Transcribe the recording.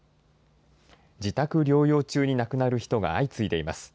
自宅療養中に亡くなる人が相次いでいます。